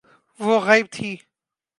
وہ غائب تھی۔